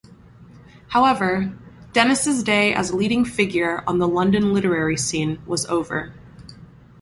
However, Dennis's day as a leading figure on the London literary scene was over.